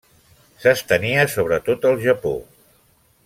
S'estenia sobre tot el Japó.